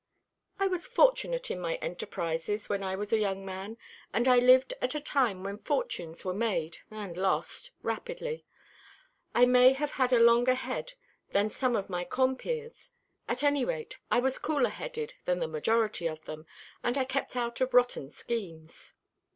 "I was fortunate in my enterprises when I was a young man, and I lived at a time when fortunes were made and lost rapidly. I may have had a longer head than some of my compeers; at any rate, I was cooler headed than the majority of them, and I kept out of rotten schemes."